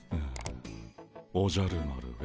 「おじゃる丸へ」